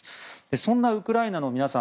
そんなウクライナの皆さん